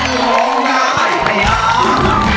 ร้องได้ร้องได้